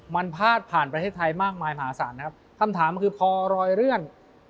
มันพาดผ่านประเทศไทยมากมายมหาศาลนะครับคำถามคือพอรอยเลื่อน